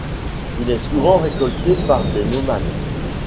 Elle est souvent récoltée par des nomades.